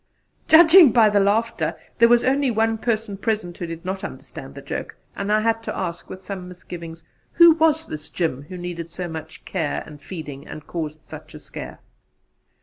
Judging by the laughter, there was only one person present who did not understand the joke, and I had to ask with some misgiving who was this Jim who needed so much care and feeding, and caused such a scare.